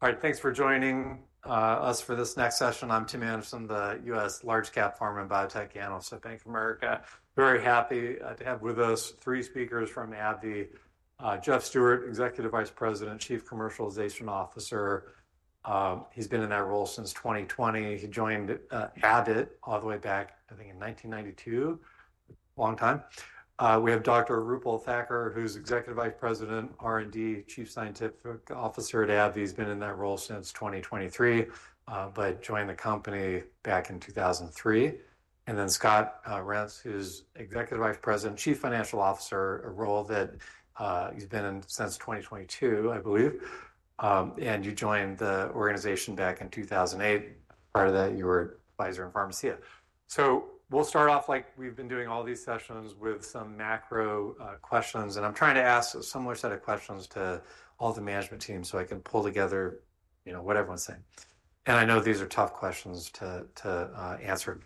All right, thanks for joining us for this next session. I'm Tim Anderson, the U.S. large-cap pharma and biotech analyst at Bank of America. Very happy to have with us three speakers from AbbVie: Jeff Stewart, Executive Vice President, Chief Commercialization Officer. He's been in that role since 2020. He joined AbbVie all the way back, I think, in 1992. Long time. We have Dr. Roopal Thakkar, who's Executive Vice President, R&D, Chief Scientific Officer at AbbVie. He's been in that role since 2023, but joined the company back in 2003. And then Scott Reents, who's Executive Vice President, Chief Financial Officer, a role that he's been in since 2022, I believe. And you joined the organization back in 2008. Prior to that, you were advisor in pharmacy. We will start off like we've been doing all these sessions with some macro questions. I'm trying to ask a similar set of questions to all the management team so I can pull together, you know, what everyone's saying. I know these are tough questions to answer.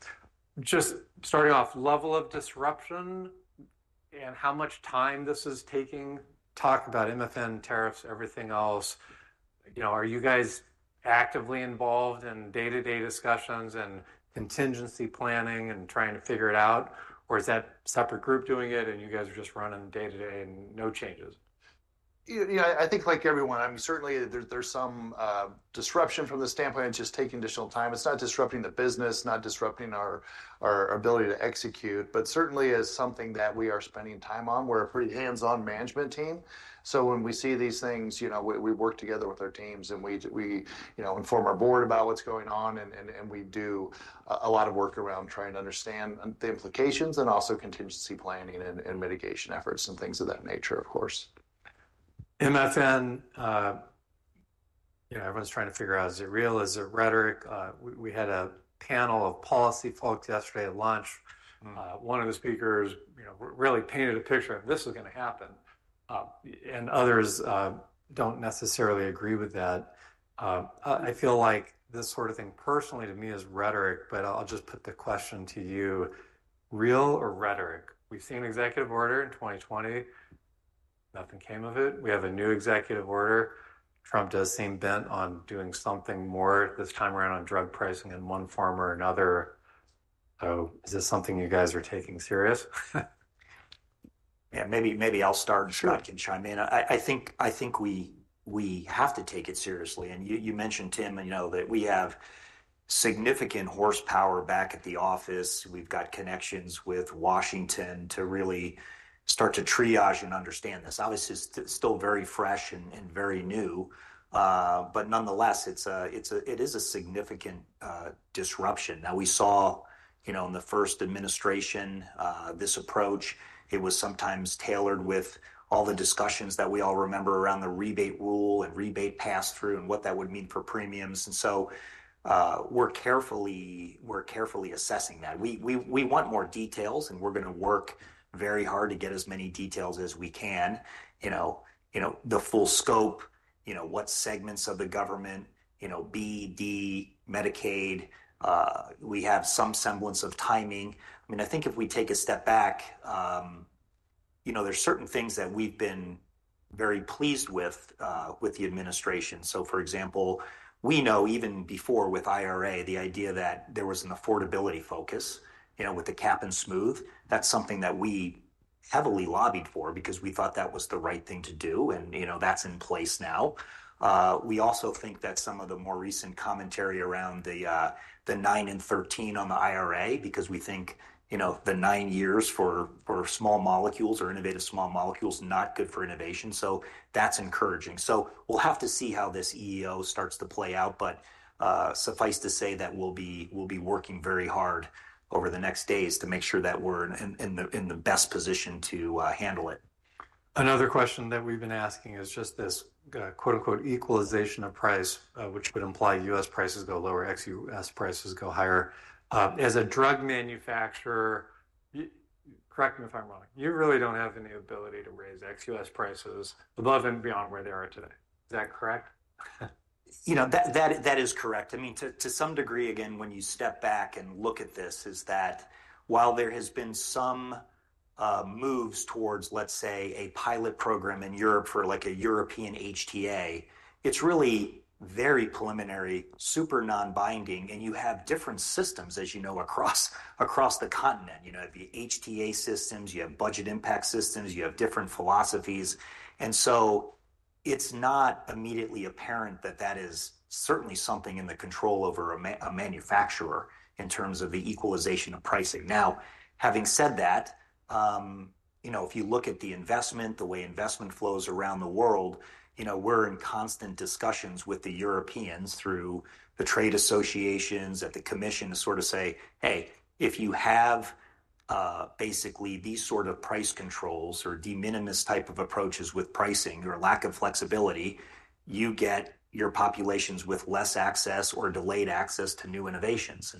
Just starting off, level of disruption and how much time this is taking. Talk about MFN tariffs, everything else. Are you guys actively involved in day-to-day discussions and contingency planning and trying to figure it out? Is that a separate group doing it, and you guys are just running day-to-day and no changes? You know, I think like everyone, I mean, certainly there is some disruption from the standpoint of just taking additional time. It is not disrupting the business, not disrupting our ability to execute, but certainly it is something that we are spending time on. We are a pretty hands-on management team. When we see these things, you know, we work together with our teams and we, you know, inform our board about what is going on. We do a lot of work around trying to understand the implications and also contingency planning and mitigation efforts and things of that nature, of course. MFN, you know, everyone's trying to figure out, is it real? Is it rhetoric? We had a panel of policy folks yesterday at lunch. One of the speakers, you know, really painted a picture of this is going to happen. Others don't necessarily agree with that. I feel like this sort of thing personally to me is rhetoric, but I'll just put the question to you. Real or rhetoric? We've seen an executive order in 2020. Nothing came of it. We have a new executive order. Trump does seem bent on doing something more this time around on drug pricing in one form or another. Is this something you guys are taking serious? Yeah, maybe I'll start and I can chime in. I think we have to take it seriously. You mentioned, Tim, you know, that we have significant horsepower back at the office. We've got connections with Washington to really start to triage and understand this. Obviously, it's still very fresh and very new, but nonetheless, it is a significant disruption. Now, we saw, you know, in the first administration, this approach, it was sometimes tailored with all the discussions that we all remember around the rebate rule and rebate pass-through and what that would mean for premiums. We are carefully assessing that. We want more details, and we're going to work very hard to get as many details as we can. You know, the full scope, you know, what segments of the government, you know, B, D, Medicaid. We have some semblance of timing. I mean, I think if we take a step back, you know, there are certain things that we've been very pleased with with the administration. For example, we know even before with IRA, the idea that there was an affordability focus, you know, with the cap and smooth, that's something that we heavily lobbied for because we thought that was the right thing to do. You know, that's in place now. We also think that some of the more recent commentary around the nine and 13 on the IRA, because we think, you know, the nine years for small molecules or innovative small molecules, not good for innovation. That is encouraging. We will have to see how this EEO starts to play out. Suffice to say that we'll be working very hard over the next days to make sure that we're in the best position to handle it. Another question that we've been asking is just this "equalization of price," which would imply U.S. prices go lower, ex-U.S. prices go higher. As a drug manufacturer, correct me if I'm wrong, you really don't have any ability to raise ex-U.S. prices above and beyond where they are today. Is that correct? You know, that is correct. I mean, to some degree, again, when you step back and look at this, is that while there has been some moves towards, let's say, a pilot program in Europe for like a European HTA, it's really very preliminary, super non-binding. You have different systems, as you know, across the continent. You know, the HTA systems, you have budget impact systems, you have different philosophies. It is not immediately apparent that that is certainly something in the control over a manufacturer in terms of the equalization of pricing. Now, having said that, you know, if you look at the investment, the way investment flows around the world, you know, we're in constant discussions with the Europeans through the trade associations at the commission to sort of say, hey, if you have basically these sort of price controls or de minimis type of approaches with pricing or lack of flexibility, you get your populations with less access or delayed access to new innovations.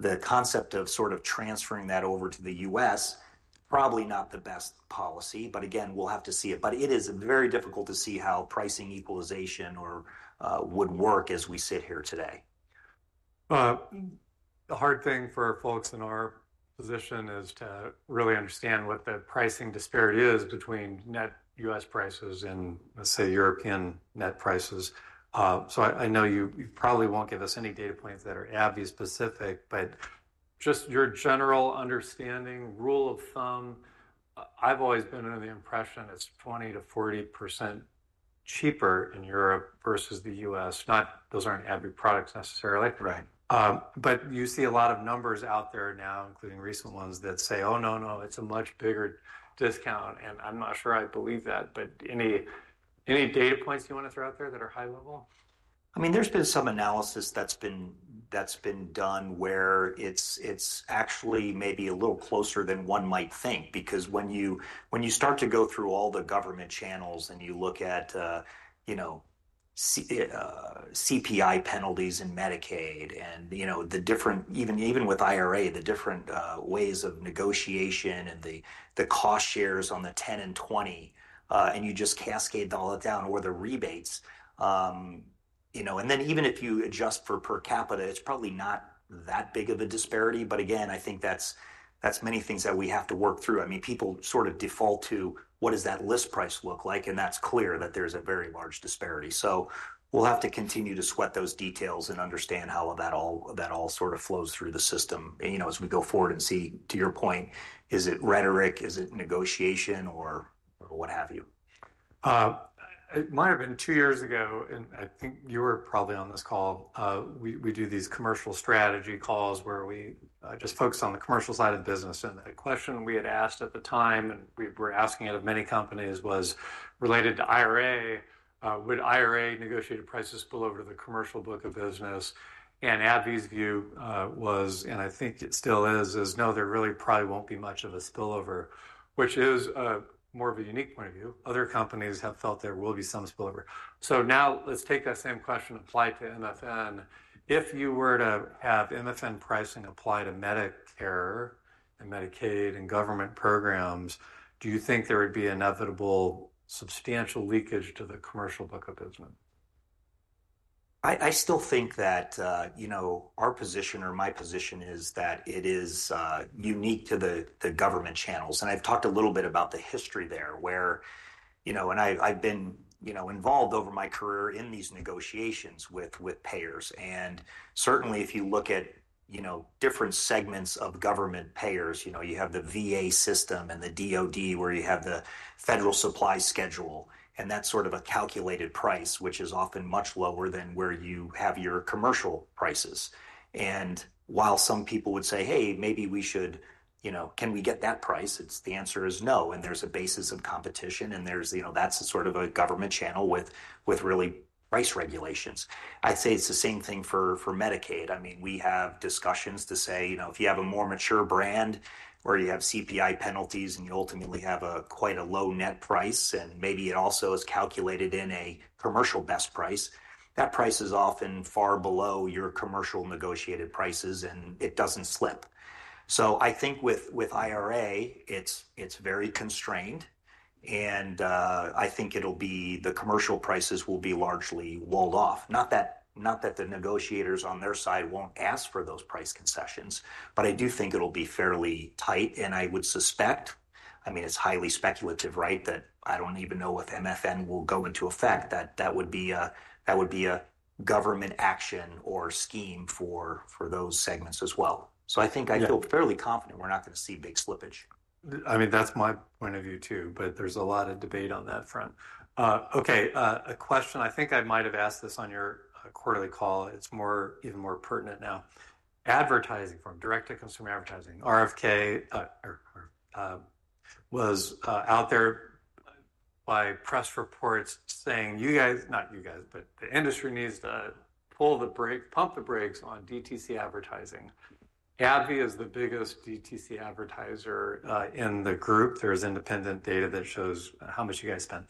The concept of sort of transferring that over to the U.S., probably not the best policy, but again, we'll have to see it. It is very difficult to see how pricing equalization would work as we sit here today. The hard thing for folks in our position is to really understand what the pricing disparity is between net U.S. prices and, let's say, European net prices. I know you probably won't give us any data points that are AbbVie specific, but just your general understanding, rule of thumb, I've always been under the impression it's 20-40% cheaper in Europe versus the U.S. Not those aren't AbbVie products necessarily. You see a lot of numbers out there now, including recent ones that say, oh, no, no, it's a much bigger discount. I'm not sure I believe that, but any data points you want to throw out there that are high level? I mean, there's been some analysis that's been done where it's actually maybe a little closer than one might think, because when you start to go through all the government channels and you look at, you know, CPI penalties in Medicaid and, you know, the different, even with IRA, the different ways of negotiation and the cost shares on the 10 and 20, and you just cascade all that down or the rebates, you know, and then even if you adjust for per capita, it's probably not that big of a disparity. Again, I think that's many things that we have to work through. I mean, people sort of default to what does that list price look like? And that's clear that there's a very large disparity. We'll have to continue to sweat those details and understand how that all sort of flows through the system, you know, as we go forward and see, to your point, is it rhetoric, is it negotiation or what have you? It might have been two years ago, and I think you were probably on this call. We do these commercial strategy calls where we just focus on the commercial side of the business. The question we had asked at the time, and we were asking it of many companies, was related to IRA, would IRA negotiate a price spillover to the commercial book of business? AbbVie's view was, and I think it still is, is no, there really probably won't be much of a spillover, which is more of a unique point of view. Other companies have felt there will be some spillover. Now let's take that same question and apply it to MFN. If you were to have MFN pricing applied to Medicare and Medicaid and government programs, do you think there would be inevitable substantial leakage to the commercial book of business? I still think that, you know, our position or my position is that it is unique to the government channels. I've talked a little bit about the history there where, you know, and I've been, you know, involved over my career in these negotiations with payers. Certainly, if you look at, you know, different segments of government payers, you know, you have the VA system and the DOD where you have the federal supply schedule and that sort of a calculated price, which is often much lower than where you have your commercial prices. While some people would say, hey, maybe we should, you know, can we get that price? The answer is no. There's a basis of competition and there's, you know, that's sort of a government channel with really price regulations. I'd say it's the same thing for Medicaid. I mean, we have discussions to say, you know, if you have a more mature brand where you have CPI penalties and you ultimately have quite a low net price and maybe it also is calculated in a commercial best price, that price is often far below your commercial negotiated prices and it does not slip. I think with IRA, it is very constrained. I think the commercial prices will be largely walled off. Not that the negotiators on their side will not ask for those price concessions, but I do think it will be fairly tight. I would suspect, I mean, it is highly speculative, right, that I do not even know if MFN will go into effect, that that would be a government action or scheme for those segments as well. I think I feel fairly confident we are not going to see big slippage. I mean, that's my point of view too, but there's a lot of debate on that front. Okay, a question. I think I might have asked this on your quarterly call. It's even more pertinent now. Advertising from direct-to-consumer advertising, RFK was out there by press reports saying you guys, not you guys, but the industry needs to pull the brake, pump the brakes on DTC advertising. AbbVie is the biggest DTC advertiser in the group. There's independent data that shows how much you guys spend.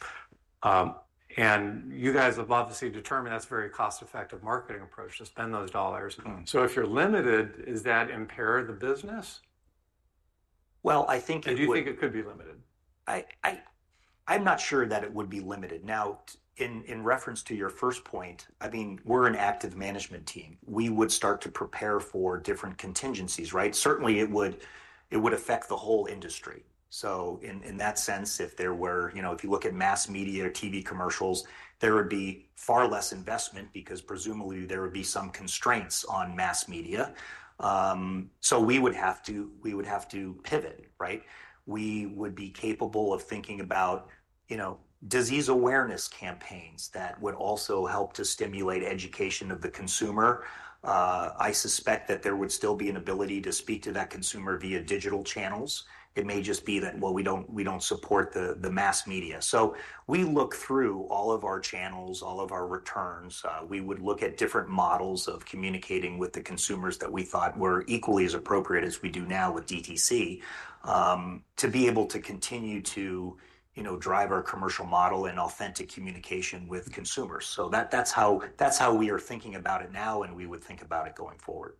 And you guys have obviously determined that's a very cost-effective marketing approach to spend those dollars. So if you're limited, is that impair the business? I think it would. Do you think it could be limited? I'm not sure that it would be limited. Now, in reference to your first point, I mean, we're an active management team. We would start to prepare for different contingencies, right? Certainly, it would affect the whole industry. In that sense, if there were, you know, if you look at mass media or TV commercials, there would be far less investment because presumably there would be some constraints on mass media. We would have to pivot, right? We would be capable of thinking about, you know, disease awareness campaigns that would also help to stimulate education of the consumer. I suspect that there would still be an ability to speak to that consumer via digital channels. It may just be that, well, we don't support the mass media. We look through all of our channels, all of our returns. We would look at different models of communicating with the consumers that we thought were equally as appropriate as we do now with DTC to be able to continue to, you know, drive our commercial model and authentic communication with consumers. That is how we are thinking about it now and we would think about it going forward.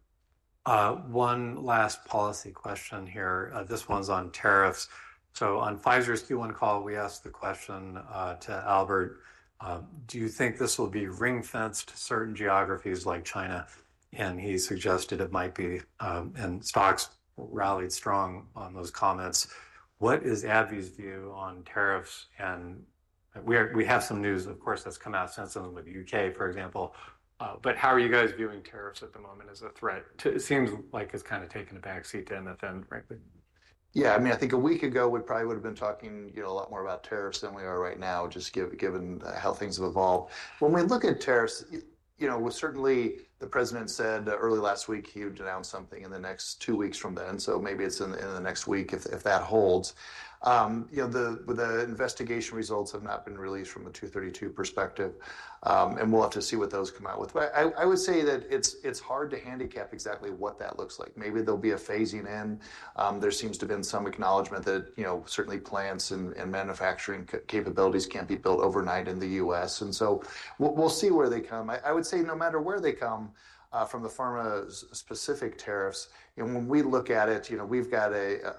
One last policy question here. This one's on tariffs. On Pfizer's Q1 call, we asked the question to Albert, do you think this will be ring-fenced to certain geographies like China? He suggested it might be, and stocks rallied strong on those comments. What is AbbVie's view on tariffs? We have some news, of course, that's come out since then with the U.K., for example. How are you guys viewing tariffs at the moment as a threat? It seems like it's kind of taken a backseat to MFN, frankly. Yeah, I mean, I think a week ago we probably would have been talking, you know, a lot more about tariffs than we are right now, just given how things have evolved. When we look at tariffs, you know, certainly the president said early last week he would announce something in the next two weeks from then. Maybe it's in the next week if that holds. You know, the investigation results have not been released from a 232 perspective, and we'll have to see what those come out with. I would say that it's hard to handicap exactly what that looks like. Maybe there'll be a phasing in. There seems to have been some acknowledgment that, you know, certainly plants and manufacturing capabilities can't be built overnight in the U.S. We will see where they come. I would say no matter where they come from, the pharma-specific tariffs, you know, when we look at it, you know, we've got a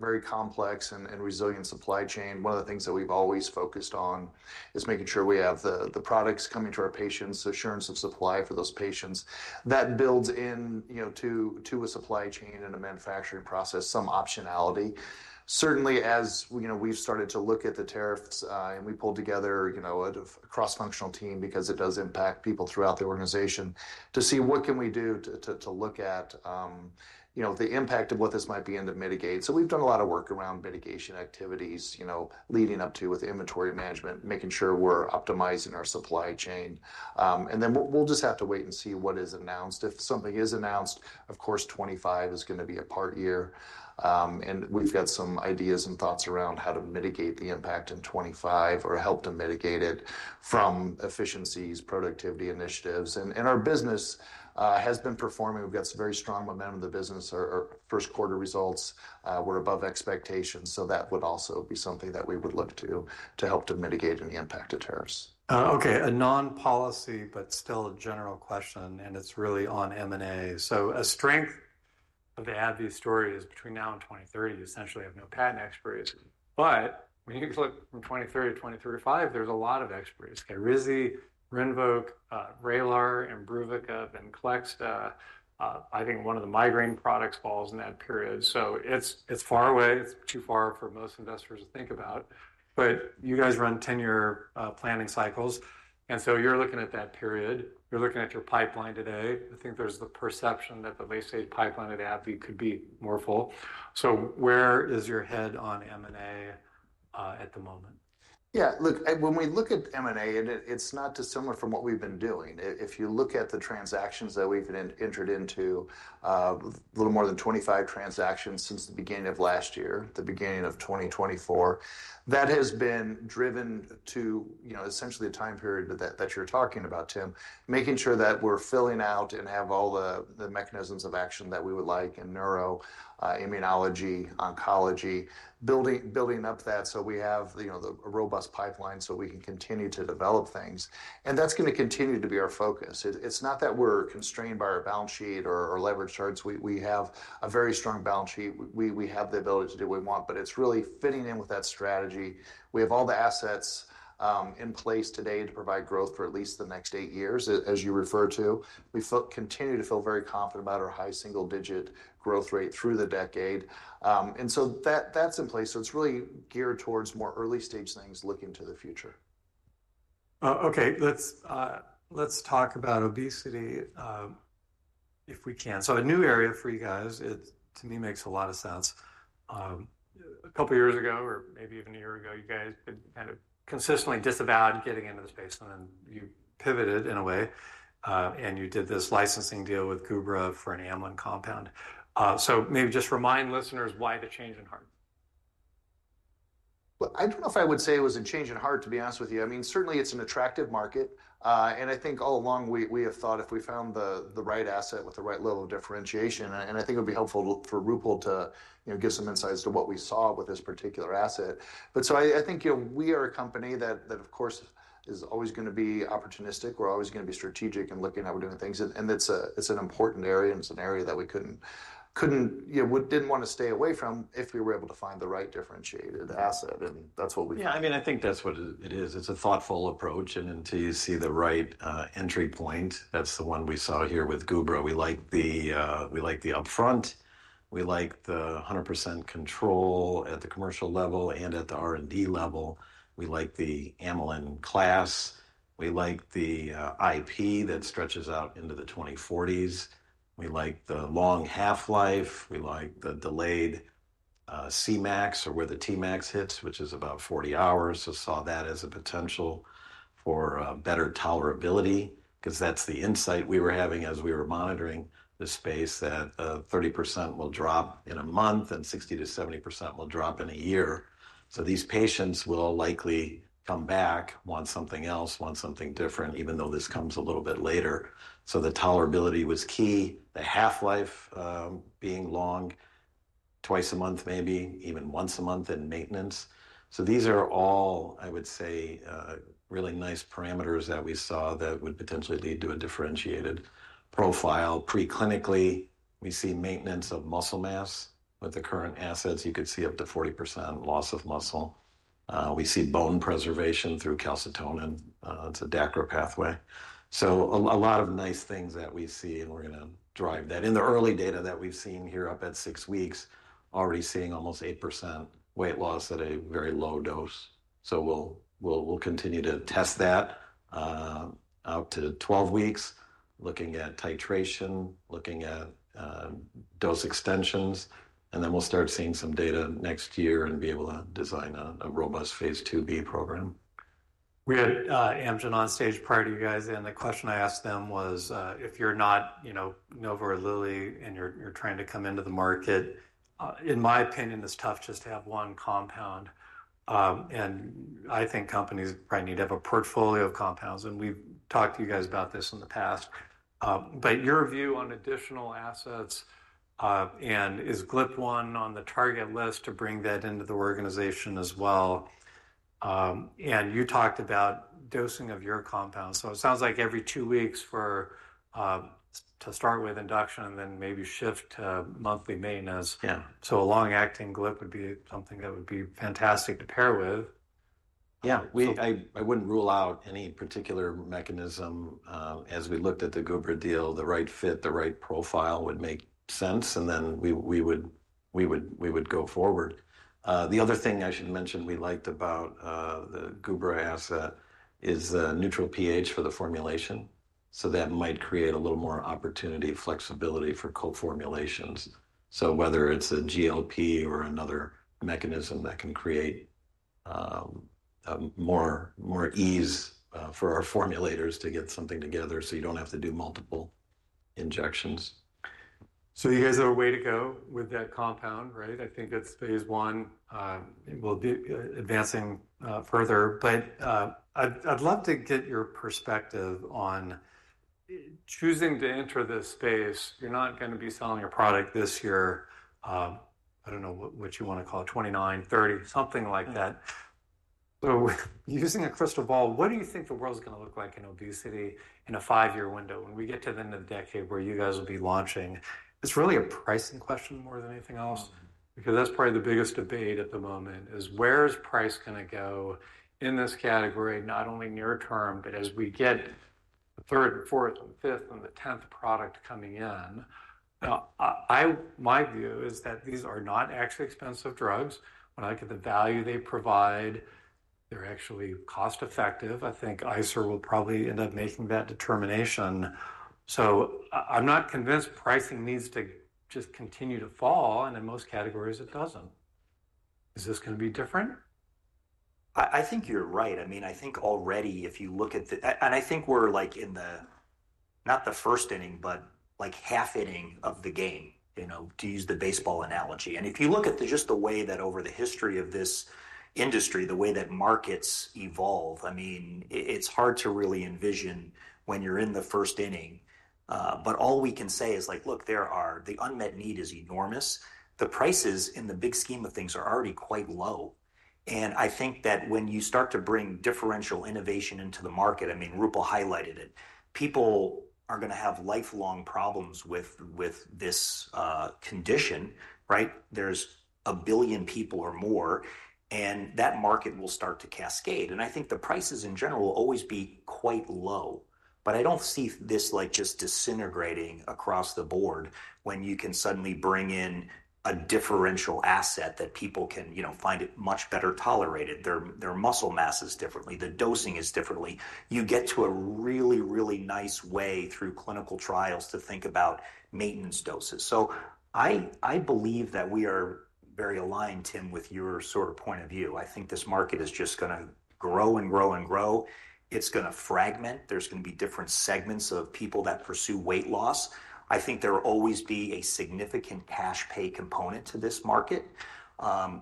very complex and resilient supply chain. One of the things that we've always focused on is making sure we have the products coming to our patients, assurance of supply for those patients. That builds in, you know, to a supply chain and a manufacturing process, some optionality. Certainly, as you know, we've started to look at the tariffs and we pulled together, you know, a cross-functional team because it does impact people throughout the organization to see what can we do to look at, you know, the impact of what this might be in to mitigate. You know, we've done a lot of work around mitigation activities, you know, leading up to with inventory management, making sure we're optimizing our supply chain. We will just have to wait and see what is announced. If something is announced, of course, 2025 is going to be a part year. We have some ideas and thoughts around how to mitigate the impact in 2025 or help to mitigate it from efficiencies, productivity initiatives. Our business has been performing. We have some very strong momentum in the business. Our first quarter results were above expectations. That would also be something that we would look to to help to mitigate any impact of tariffs. Okay, a non-policy, but still a general question, and it's really on M&A. A strength of the AbbVie story is between now and 2030, you essentially have no patent expertise. When you look from 2030 to 2035, there's a lot of expertise. SKYRIZI, RINVOQ, VRAYLAR, IMBRUVICA, VENCLEXTA, I think one of the migraine products falls in that period. It's far away. It's too far for most investors to think about. You guys run 10-year planning cycles. You are looking at that period. You are looking at your pipeline today. I think there's the perception that the late-stage pipeline at AbbVie could be more full. Where is your head on M&A at the moment? Yeah, look, when we look at M&A, it's not dissimilar from what we've been doing. If you look at the transactions that we've entered into, a little more than 25 transactions since the beginning of last year, the beginning of 2024, that has been driven to, you know, essentially the time period that you're talking about, Tim, making sure that we're filling out and have all the mechanisms of action that we would like in neuro, immunology, oncology, building up that. We have, you know, a robust pipeline so we can continue to develop things. That's going to continue to be our focus. It's not that we're constrained by our balance sheet or leverage charts. We have a very strong balance sheet. We have the ability to do what we want, but it's really fitting in with that strategy. We have all the assets in place today to provide growth for at least the next eight years, as you refer to. We continue to feel very confident about our high single-digit growth rate through the decade. That is in place. It is really geared towards more early-stage things looking to the future. Okay, let's talk about obesity if we can. A new area for you guys, it to me makes a lot of sense. A couple of years ago or maybe even a year ago, you guys had kind of consistently disavowed getting into the space, and then you pivoted in a way, and you did this licensing deal with Gubra for an amylin compound. Maybe just remind listeners why the change in heart. I don't know if I would say it was a change in heart, to be honest with you. I mean, certainly it's an attractive market. I think all along we have thought if we found the right asset with the right level of differentiation, and I think it would be helpful for Roopal to, you know, give some insights to what we saw with this particular asset. I think, you know, we are a company that, of course, is always going to be opportunistic. We're always going to be strategic in looking at how we're doing things. It's an important area, and it's an area that we couldn't, you know, didn't want to stay away from if we were able to find the right differentiated asset. That's what we've done. Yeah, I mean, I think that's what it is. It's a thoughtful approach, and until you see the right entry point, that's the one we saw here with Gubra. We like the upfront. We like the 100% control at the commercial level and at the R&D level. We like the amylin class. We like the IP that stretches out into the 2040s. We like the long half-life. We like the delayed Cmax or where the Tmax hits, which is about 40 hours. Saw that as a potential for better tolerability because that's the insight we were having as we were monitoring the space that 30% will drop in a month and 60%-70% will drop in a year. These patients will likely come back, want something else, want something different, even though this comes a little bit later. The tolerability was key, the half-life being long, twice a month, maybe even once a month in maintenance. These are all, I would say, really nice parameters that we saw that would potentially lead to a differentiated profile. Pre-clinically, we see maintenance of muscle mass with the current assets. You could see up to 40% loss of muscle. We see bone preservation through calcitonin. It's a DACRA pathway. A lot of nice things that we see, and we're going to drive that. In the early data that we've seen here up at six weeks, already seeing almost 8% weight loss at a very low dose. We'll continue to test that out to 12 weeks, looking at titration, looking at dose extensions. Then we'll start seeing some data next year and be able to design a robust phase II-B program. We had Amgen on stage prior to you guys, and the question I asked them was if you're not, you know, Nova or Lilly and you're trying to come into the market, in my opinion, it's tough just to have one compound. I think companies probably need to have a portfolio of compounds. We've talked to you guys about this in the past. Your view on additional assets and is GLP-1 on the target list to bring that into the organization as well? You talked about dosing of your compounds. It sounds like every two weeks to start with induction and then maybe shift to monthly maintenance. A long-acting GLP would be something that would be fantastic to pair with. Yeah, I wouldn't rule out any particular mechanism as we looked at the Gubra deal. The right fit, the right profile would make sense. We would go forward. The other thing I should mention we liked about the Gubra asset is the neutral pH for the formulation. That might create a little more opportunity, flexibility for co-formulations. Whether it's a GLP or another mechanism that can create more ease for our formulators to get something together so you don't have to do multiple injections. You guys have a way to go with that compound, right? I think that's phase I. We'll be advancing further. I'd love to get your perspective on choosing to enter this space. You're not going to be selling your product this year. I don't know what you want to call it, 2029, 2030, something like that. Using a crystal ball, what do you think the world is going to look like in obesity in a five-year window when we get to the end of the decade where you guys will be launching? It's really a pricing question more than anything else because that's probably the biggest debate at the moment is where is price going to go in this category, not only near term, but as we get the third and fourth and fifth and the 10th product coming in. My view is that these are not extra expensive drugs. When I look at the value they provide, they're actually cost-effective. I think ICER will probably end up making that determination. I'm not convinced pricing needs to just continue to fall. In most categories, it doesn't. Is this going to be different? I think you're right. I mean, I think already if you look at the, and I think we're like in the, not the first inning, but like half inning of the game, you know, to use the baseball analogy. If you look at just the way that over the history of this industry, the way that markets evolve, I mean, it's hard to really envision when you're in the first inning. All we can say is like, look, there are the unmet need is enormous. The prices in the big scheme of things are already quite low. I think that when you start to bring differential innovation into the market, I mean, Roopal highlighted it, people are going to have lifelong problems with this condition, right? There's a billion people or more, and that market will start to cascade. I think the prices in general will always be quite low. I do not see this like just disintegrating across the board when you can suddenly bring in a differential asset that people can, you know, find it much better tolerated. Their muscle mass is differently. The dosing is differently. You get to a really, really nice way through clinical trials to think about maintenance doses. I believe that we are very aligned, Tim, with your sort of point of view. I think this market is just going to grow and grow and grow. It is going to fragment. There are going to be different segments of people that pursue weight loss. I think there will always be a significant cash pay component to this market,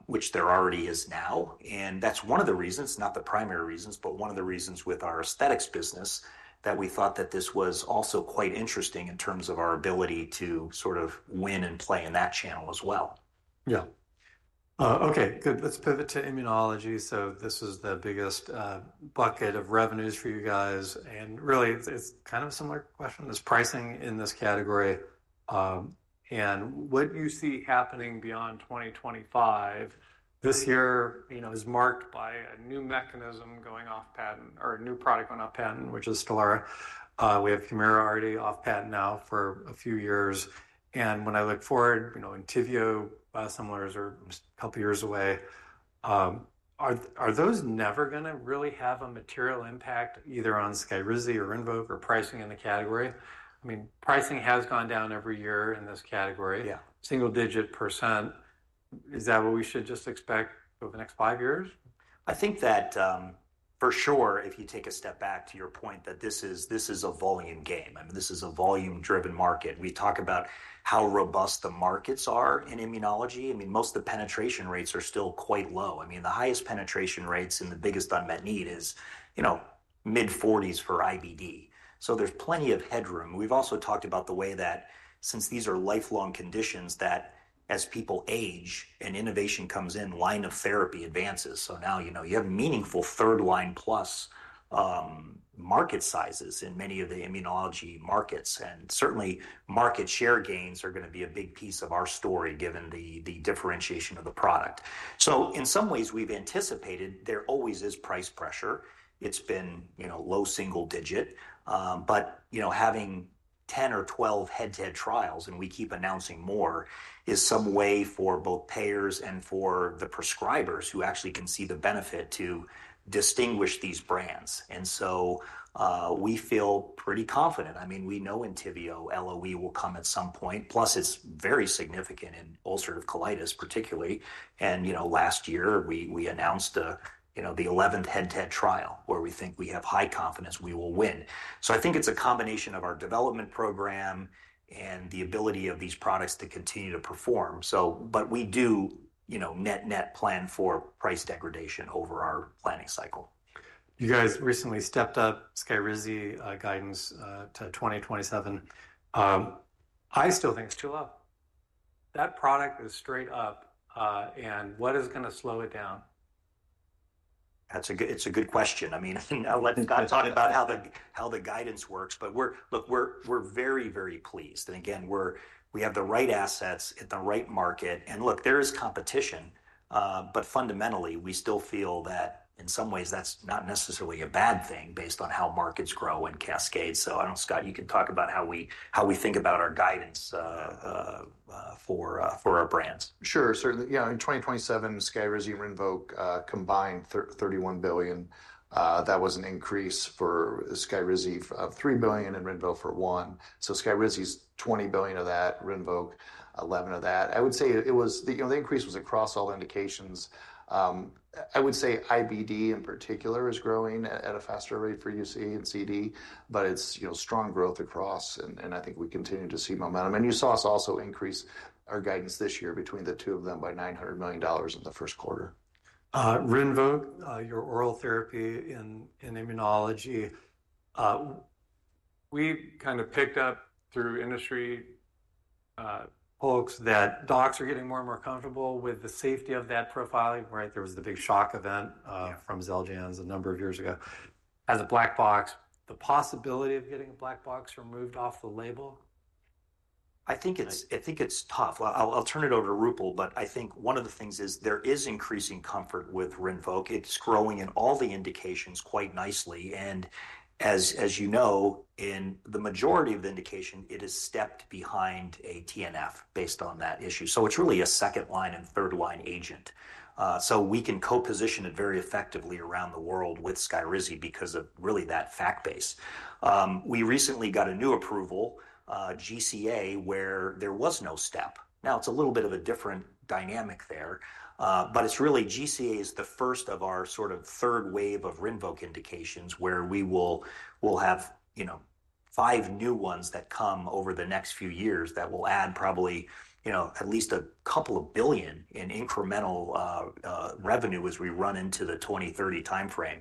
which there already is now. That is one of the reasons, not the primary reasons, but one of the reasons with our aesthetics business that we thought that this was also quite interesting in terms of our ability to sort of win and play in that channel as well. Yeah. Okay, good. Let's pivot to immunology. This is the biggest bucket of revenues for you guys. Really, it's kind of a similar question. It's pricing in this category. What you see happening beyond 2025, this year, you know, is marked by a new mechanism going off patent or a new product going off patent, which is Stelara. We have Humira already off patent now for a few years. When I look forward, you know, ENTYVIO, biosimilars are a couple of years away. Are those never going to really have a material impact either on SKYRIZI or RINVOQ or pricing in the category? I mean, pricing has gone down every year in this category. Single digit %. Is that what we should just expect over the next five years? I think that for sure, if you take a step back to your point, that this is a volume game. I mean, this is a volume-driven market. We talk about how robust the markets are in immunology. I mean, most of the penetration rates are still quite low. I mean, the highest penetration rates in the biggest unmet need is, you know, mid-40% for IBD. So there is plenty of headroom. We have also talked about the way that since these are lifelong conditions, that as people age and innovation comes in, line of therapy advances. Now, you know, you have meaningful third line plus market sizes in many of the immunology markets. Certainly, market share gains are going to be a big piece of our story given the differentiation of the product. In some ways, we have anticipated there always is price pressure. It's been, you know, low single digit. But, you know, having 10 or 12 head-to-head trials and we keep announcing more is some way for both payers and for the prescribers who actually can see the benefit to distinguish these brands. And so we feel pretty confident. I mean, we know ENTYVIO, LOE will come at some point. Plus, it's very significant in ulcerative colitis, particularly. And, you know, last year, we announced the, you know, the 11th head-to-head trial where we think we have high confidence we will win. So I think it's a combination of our development program and the ability of these products to continue to perform. So, but we do, you know, net-net plan for price degradation over our planning cycle. You guys recently stepped up SKYRIZI guidance to 2027. I still think it's too low. That product is straight up. And what is going to slow it down? That's a good question. I mean, I'll let Scott talk about how the guidance works. Look, we're very, very pleased. Again, we have the right assets at the right market. Look, there is competition. Fundamentally, we still feel that in some ways, that's not necessarily a bad thing based on how markets grow and cascade. I don't know, Scott, you can talk about how we think about our guidance for our brands. Sure, certainly. You know, in 2027, SKYRIZI and RINVOQ combined $31 billion. That was an increase for SKYRIZI of $3 billion and RINVOQ for $1 billion. So SKYRIZI's $20 billion of that, RINVOQ $11 billion of that. I would say it was, you know, the increase was across all indications. I would say IBD in particular is growing at a faster rate for UC and CD, but it's, you know, strong growth across. I think we continue to see momentum. You saw us also increase our guidance this year between the two of them by $900 million in the first quarter. RINVOQ, your oral therapy in immunology. We kind of picked up through industry folks that docs are getting more and more comfortable with the safety of that profiling, right? There was the big shock event from XELJANZ a number of years ago. As a black box, the possibility of getting a black box removed off the label? I think it's tough. I'll turn it over to Roopal, but I think one of the things is there is increasing comfort with RINVOQ. It's growing in all the indications quite nicely. And as you know, in the majority of the indication, it is stepped behind a TNF based on that issue. It's really a second line and third line agent. We can co-position it very effectively around the world with SKYRIZI because of really that fact base. We recently got a new approval, GCA, where there was no step. Now, it's a little bit of a different dynamic there. It is really GCA is the first of our sort of third wave of RINVOQ indications where we will have, you know, five new ones that come over the next few years that will add probably, you know, at least a couple of billion in incremental revenue as we run into the 2030 timeframe.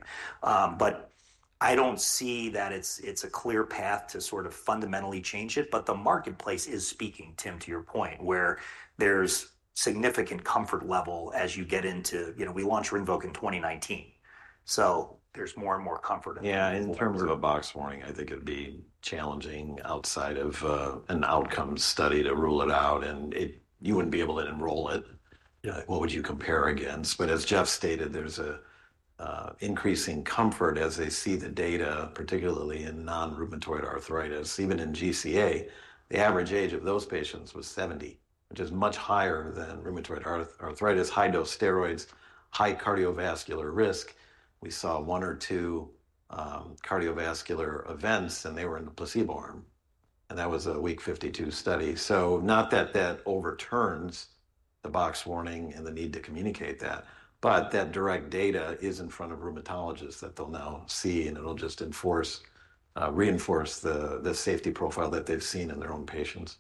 I do not see that it is a clear path to sort of fundamentally change it. The marketplace is speaking, Tim, to your point, where there is significant comfort level as you get into, you know, we launched RINVOQ in 2019. There is more and more comfort. Yeah, in terms of a box warning, I think it'd be challenging outside of an outcome study to rule it out. You wouldn't be able to enroll it. What would you compare against? As Jeff stated, there's an increasing comfort as they see the data, particularly in non-rheumatoid arthritis. Even in GCA, the average age of those patients was 70, which is much higher than rheumatoid arthritis, high dose steroids, high cardiovascular risk. We saw one or two cardiovascular events, and they were in the placebo arm. That was a week 52 study. Not that that overturns the box warning and the need to communicate that, but that direct data is in front of rheumatologists that they'll now see, and it'll just reinforce the safety profile that they've seen in their own patients.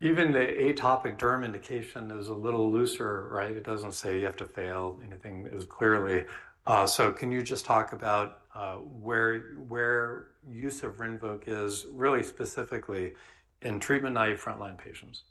Even the atopic derm indication is a little looser, right? It doesn't say you have to fail anything as clearly. Can you just talk about where use of RINVOQ is really specifically in treatment-naive frontline patients?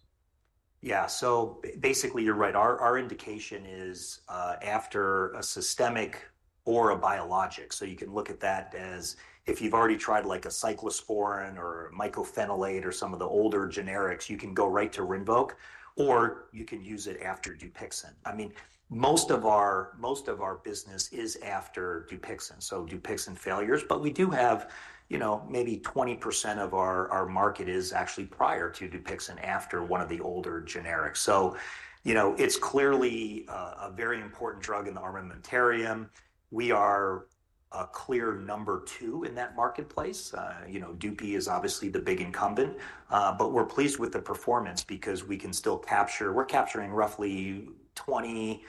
Yeah, so basically you're right. Our indication is after a systemic or a biologic. You can look at that as if you've already tried like a cyclosporin or mycophenolate or some of the older generics, you can go right to RINVOQ or you can use it after DUPIXENT. I mean, most of our business is after DUPIXENT. DUPIXENT failures. We do have, you know, maybe 20% of our market is actually prior to DUPIXENT after one of the older generics. You know, it's clearly a very important drug in the armamentarium. We are a clear number two in that marketplace. You know, DUPI is obviously the big incumbent. We're pleased with the performance because we can still capture, we're capturing roughly 20,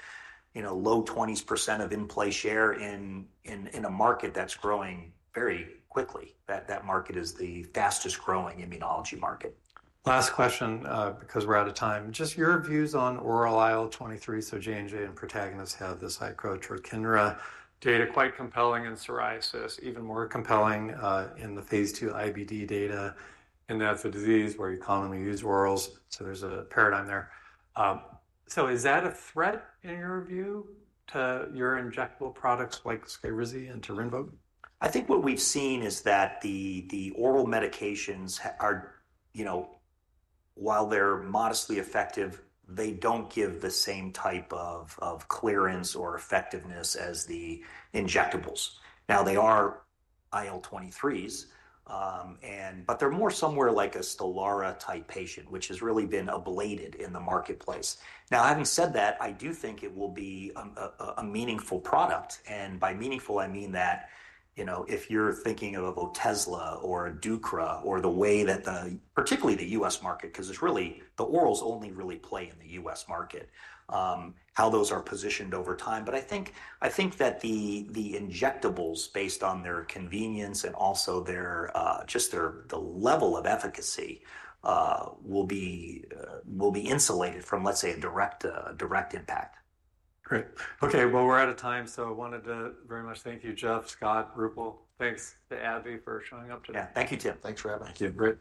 you know, low 20s % of in play share in a market that's growing very quickly. That market is the fastest growing immunology market. Last question because we're out of time. Just your views on oral IL-23. J&J and Protagonist have the cyclosporin. Data quite compelling in psoriasis, even more compelling in the phase II IBD data. That's a disease where you commonly use orals. There's a paradigm there. Is that a threat in your view to your injectable products like SKYRIZI and to RINVOQ? I think what we've seen is that the oral medications are, you know, while they're modestly effective, they don't give the same type of clearance or effectiveness as the injectables. Now, they are IL-23s, but they're more somewhere like a Stelara type patient, which has really been ablated in the marketplace. Now, having said that, I do think it will be a meaningful product. And by meaningful, I mean that, you know, if you're thinking of OTEZLA or Deucra or the way that the, particularly the U.S. market, because it's really the orals only really play in the U.S. market, how those are positioned over time. But I think that the injectables based on their convenience and also just the level of efficacy will be insulated from, let's say, a direct impact. Great. Okay, we are out of time. I wanted to very much thank you, Jeff, Scott, Roopal. Thanks to AbbVie for showing up today. Yeah, thank you, Tim. Thanks for having us. Thank you.